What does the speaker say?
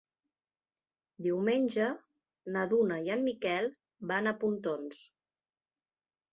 Diumenge na Duna i en Miquel van a Pontons.